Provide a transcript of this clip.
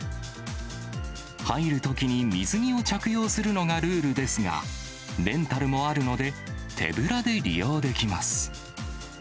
入るときに水着を着用するのがルールですが、レンタルもあるので、手ぶらで利用できます。